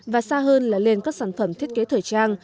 và xa hơn là lên các sản phẩm thiết kế thời trang